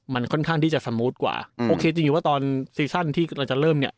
มันค่อนข้างที่จะสมูทกว่าโอเคจริงว่าตอนซีซั่นที่เราจะเริ่มเนี่ย